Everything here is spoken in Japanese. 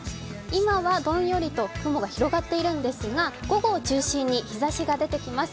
今はどんよりと雲が広がっているんですが、午後を中心に日ざしが出てきます。